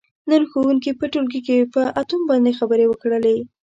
نن ښوونکي په ټولګي کې په اتوم باندې خبرې وکړلې.